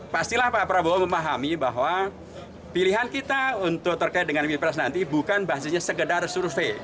pastilah pak prabowo memahami bahwa pilihan kita untuk terkait dengan pilpres nanti bukan basisnya segedar survei